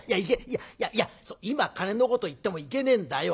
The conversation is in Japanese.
いやいや今金のこと言ってもいけねんだよ。